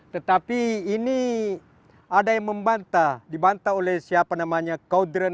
tetapi ini ada yang membanta dibanta oleh siapa namanya kaudren